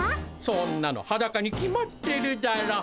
そんなのハダカに決まってるだろう。